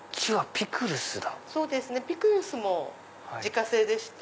ピクルスも自家製でして。